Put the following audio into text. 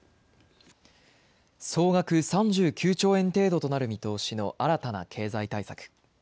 総額３９兆円程度となる見通しの新たな経済対策。